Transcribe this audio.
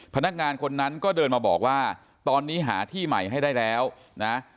พนักงานคนนั้นก็เดินมาบอกว่าตอนนี้หาที่ใหม่ให้ได้แล้วนะ